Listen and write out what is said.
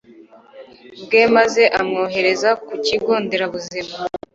bwe maze amwohereza ku kigo nderabuzima